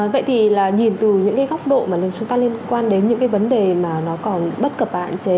vậy thì nhìn từ những góc độ mà chúng ta liên quan đến những vấn đề mà nó còn bất cập và hạn chế